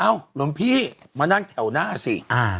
หลวงพี่มานั่งแถวหน้าสิ